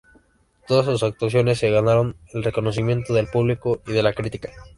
Todas sus actuaciones se ganaron el reconocimiento del público y de la crítica.